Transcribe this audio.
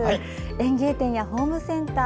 園芸店やホームセンター